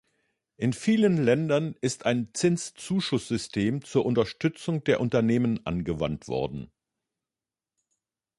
In vielen Ländern ist ein Zinszuschusssystem zur Unterstützung der Unternehmen angewandt worden.